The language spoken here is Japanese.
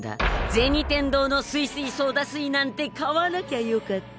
「銭天堂のすいすいソーダ水なんて買わなきゃよかった！」